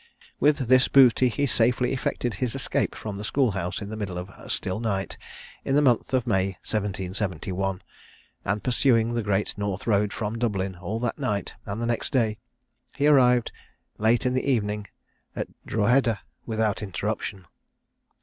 With this booty he safely effected his escape from the school house in the middle of a still night in the month of May 1771; and pursuing the great north road from Dublin all that night and the next day, he arrived late in the evening at Drogheda without interruption.